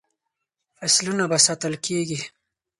فصلونه به ساتل کیږي.